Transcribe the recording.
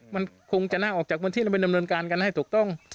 มันคงจะน่าออกจากพื้นที่แล้วไปดำเนินการกันให้ถูกต้อง